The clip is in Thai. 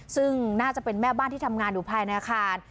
ซึ่งน่าจะเป็นแม่บ้านที่ทำงานอยู่ภายในอาคาร